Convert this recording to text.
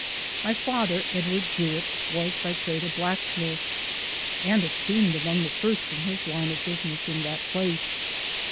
My father, Edward Jewitt, was by trade a blacksmith, and esteemed among the first in his line of business in that place.